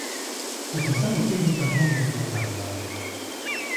日常生活基本上充滿負能量